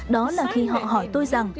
đó là khi họ hỏi tôi rằng